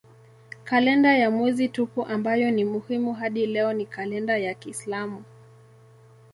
Kalenda ya mwezi tupu ambayo ni muhimu hadi leo ni kalenda ya kiislamu.